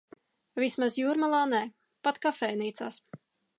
Vismaz Jūrmalā nē. Pat kafejnīcās.